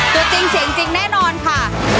ตัวจริงจริงแน่นอนค่ะ